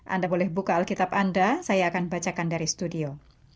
anda boleh buka alkitab anda saya akan bacakan dari studio